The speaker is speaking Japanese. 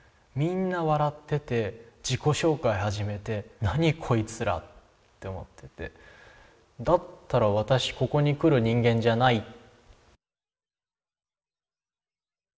みんな笑ってて自己紹介始めて何こいつら？って思っててだったら私ここに来る人間じゃない。